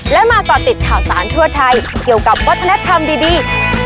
และมาก่อติดข่าวสารทั่วไทยเกี่ยวกับวัฒนธรรมดี